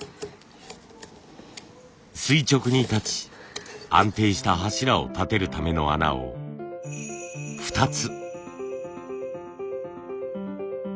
垂直に立ち安定した柱を立てるための穴を２つ。